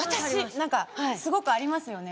何かすごくありますよね